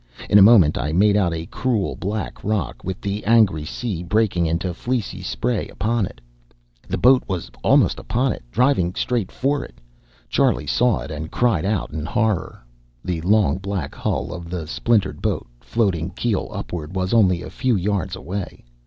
In a moment I made out a cruel black rock, with the angry sea breaking into fleecy spray upon it. The boat was almost upon it, driving straight for it. Charlie saw it, and cried out in horror. The long black hull of the splintered boat, floating keel upward, was only a few yards away.